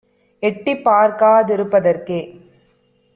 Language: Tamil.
எட்டிப் பார்க்கா திருப்ப தற்கே